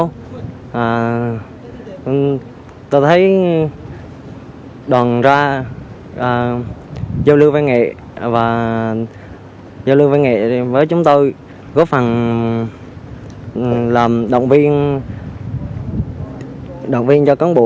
và tôi thấy đoàn ra giao lưu văn nghệ với chúng tôi góp phần làm động viên cho cán bộ